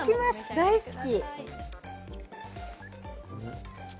大好き！